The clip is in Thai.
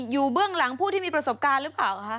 เบื้องหลังผู้ที่มีประสบการณ์หรือเปล่าคะ